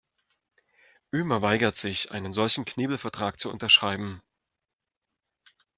Ömer weigert sich, einen solchen Knebelvertrag zu unterschreiben.